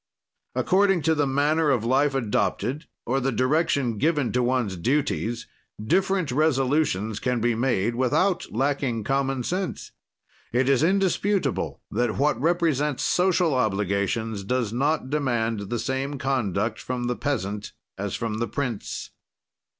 "According to the manner of life adopted, or the direction given to one's duties, different resolutions can be made without lacking common sense. It is indisputable that what represents social obligations does not demand the same conduct from the peasant as from the prince.